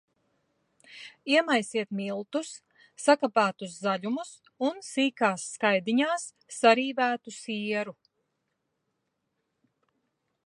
Iemaisiet miltus, sakapātus zaļumus un sīkās skaidiņās sarīvētu sieru.